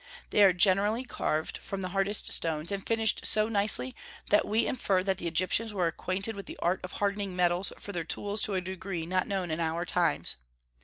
They are generally carved from the hardest stones, and finished so nicely that we infer that the Egyptians were acquainted with the art of hardening metals for their tools to a degree not known in our times.